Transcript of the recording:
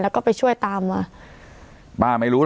แล้วก็ไปช่วยตามมา